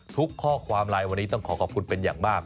ข้อความไลน์วันนี้ต้องขอขอบคุณเป็นอย่างมาก